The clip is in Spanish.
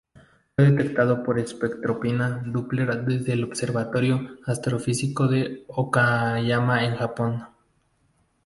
Fue detectado por espectroscopia Doppler desde el Observatorio Astrofísico de Okayama en Japón.